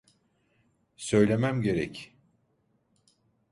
Söylemem gerek.